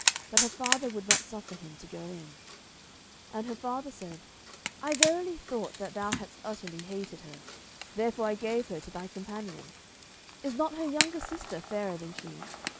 But her father would not suffer him to go in. 07:015:002 And her father said, I verily thought that thou hadst utterly hated her; therefore I gave her to thy companion: is not her younger sister fairer than she?